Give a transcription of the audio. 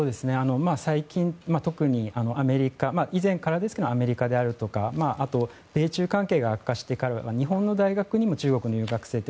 最近、以前からですけど特にアメリカですとかあと、米中関係が悪化してからは日本の大学にも中国の留学生が。